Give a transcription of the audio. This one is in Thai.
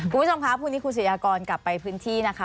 คุณผู้ชมคะพรุ่งนี้คุณศิยากรกลับไปพื้นที่นะคะ